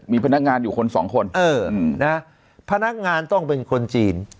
มีพนักงานอยู่คนสองคนพนักงานต้องเป็นคนจีน